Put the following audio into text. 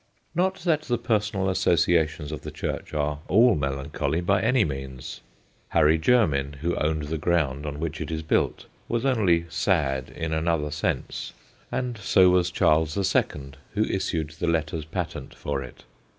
Not that the personal associations of the church are all melancholy, by any means. Harry Jermyn, who owned the ground on which it is built, was only sad in another 270 THE GHOSTS OF PICCADILLY sense, and so was Charles the Second, who issued the letters patent for it.